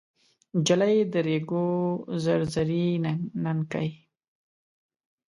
نجلۍ د ریګو زر زري ننکۍ